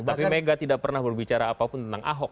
tapi mega tidak pernah berbicara apapun tentang ahok